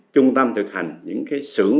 trung tâm thực hành những cái xưởng